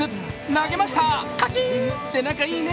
投げました、カキーン！って仲いいね。